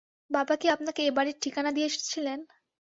বাবা কি আপনাকে এ-বাড়ির ঠিকানা দিয়ে এসেছিলেন?